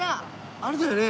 あれだよね？